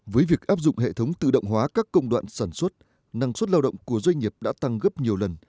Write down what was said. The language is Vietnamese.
với việc áp dụng hệ thống tự động hóa các công đoạn sản xuất năng suất lao động của doanh nghiệp đã tăng gấp nhiều lần